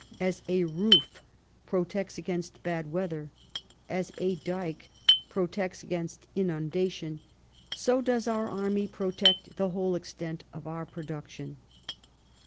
As a roof protects against bad weather, as a dyke protects against inundation, so does our army protect the whole extent of our production."